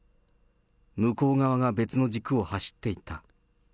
向こう側が別の軸を走って行った。